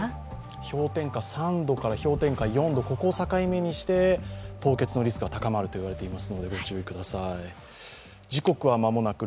氷点下３度から４度を境目にして凍結のリスクが高まると言われていますので、ご注意ください。